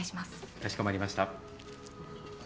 かしこまりました。